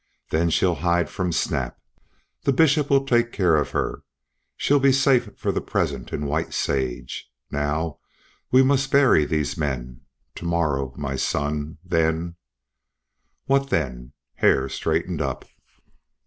Then she'll hide from Snap. The Bishop will take care of her. She'll be safe for the present in White Sage. Now we must bury these men. To morrow my son. Then " "What then?" Hare straightened up.